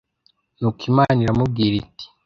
nuko imana iramubwira iti